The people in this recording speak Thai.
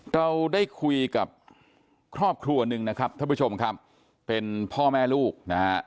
เราได้คุยกับครอบครัวหนึ่งนะครับท่านผู้ชมครับเป็นพ่อแม่ลูกนะฮะ